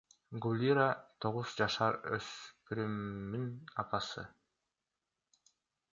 Гулира — тогуз жашар өспүрүмүн апасы.